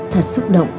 thật xúc động